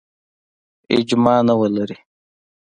اجماع نه ولري.